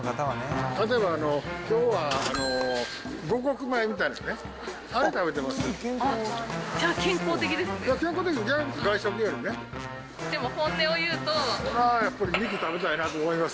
例えばきょうは五穀米みたいなね、あれ、食べてます。